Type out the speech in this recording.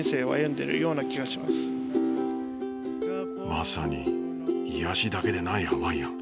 まさに癒やしだけでないハワイアン。